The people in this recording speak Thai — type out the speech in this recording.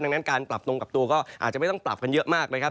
ดังนั้นการปรับตรงกับตัวก็อาจจะไม่ต้องปรับกันเยอะมากนะครับ